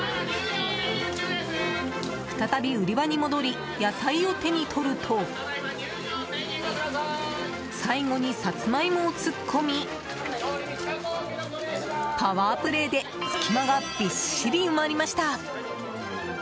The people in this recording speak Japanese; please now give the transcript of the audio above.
再び売り場に戻り野菜を手に取ると最後にサツマイモを突っ込みパワープレーで隙間がびっしり埋まりました。